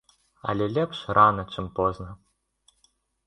Але лепш рана, чым позна.